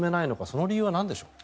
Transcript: その理由はなんでしょう。